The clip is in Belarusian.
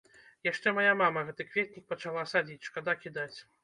Яшчэ мая мама гэты кветнік пачала садзіць, шкада кідаць.